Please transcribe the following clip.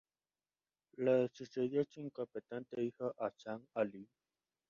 Le sucedió su incompetente hijo Hasan Ali.